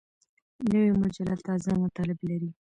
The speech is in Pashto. نوې مجله تازه مطالب لري